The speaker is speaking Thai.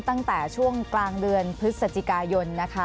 ตั้งแต่ช่วงกลางเดือนพฤศจิกายนนะคะ